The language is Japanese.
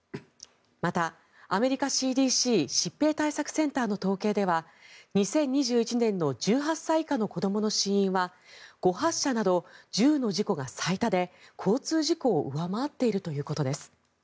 また、アメリカＣＤＣ・疾病対策センターの統計では２０２１年の１８歳以下の子どもの死因は誤発射など銃の事故が最多で交通事故を上回っているということです。